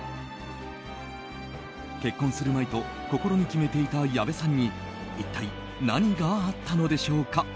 結婚するまいと心に決めていた矢部さんに一体何があったのでしょうか。